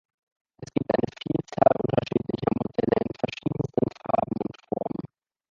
Es gibt eine Vielzahl unterschiedlicher Modelle in verschiedensten Farben und Formen.